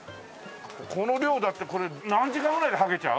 この量だってこれ何時間ぐらいではけちゃう？